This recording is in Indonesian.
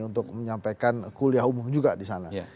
untuk menyampaikan kuliah umum juga di sana